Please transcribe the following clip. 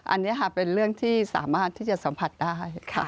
อันนี้ค่ะเป็นเรื่องที่สามารถที่จะสัมผัสได้